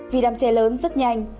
vì đám trẻ lớn rất nhanh